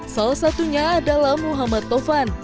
salah satunya adalah muhammad tovan